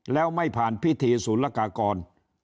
แล้วไม่ผ่านพิธีศูนย์ละกากร